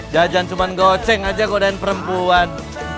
jajan cuma goceng aja godain perempuan